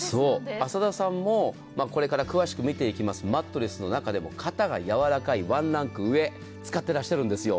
浅田さんも、これから詳しく見ていきます、マットレスの中でも肩がやわらかいワンランク上、使っていらっしゃるんですよ。